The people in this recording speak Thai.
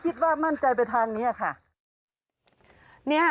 คิดว่ามั่นใจไปทางนี้ค่ะ